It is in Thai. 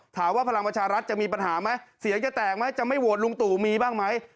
พลังประชารัฐจะมีปัญหาไหมเสียงจะแตกไหมจะไม่โหวตลุงตู่มีบ้างไหม